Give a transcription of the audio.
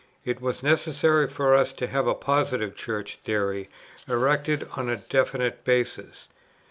It was necessary for us to have a positive Church theory erected on a definite basis.